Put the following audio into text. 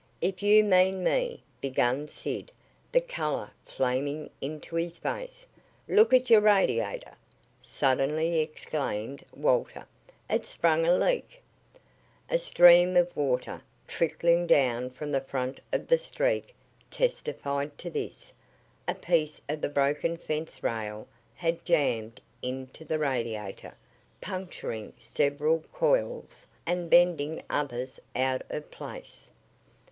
"If you mean me " began Sid, the color flaming into his face. "Look at your radiator!" suddenly exclaimed Walter. "It's sprung a leak!" A stream of water, trickling down from the front of the Streak testified to this. A piece of the broken fence rail had jammed into the radiator, puncturing several coils and bending others out of place.